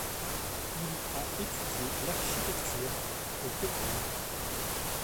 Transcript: Il a étudié l'architecture au Technion.